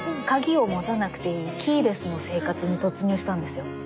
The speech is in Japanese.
鍵を持たなくていいキーレスの生活に突入したんですよ。